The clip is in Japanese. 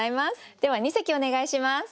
では二席お願いします。